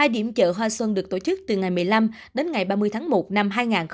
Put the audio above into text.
hai điểm chợ hoa xuân được tổ chức từ ngày một mươi năm đến ngày ba mươi tháng một năm hai nghìn hai mươi